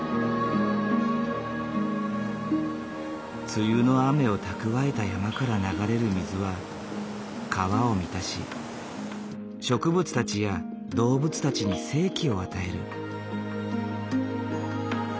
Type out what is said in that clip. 梅雨の雨を蓄えた山から流れる水は川を満たし植物たちや動物たちに生気を与える。